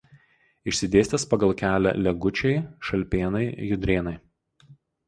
Išsidėstęs pagal kelią Legučiai–Šalpėnai–Judrėnai.